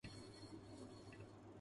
کسی چیز کی حد بھی ہوتی ہے۔